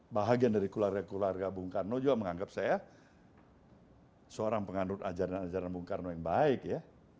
bahagian dari keluarga keluarga bung karno juga menganggap saya seorang pengandut ajaran ajaran bung karno yang baik ya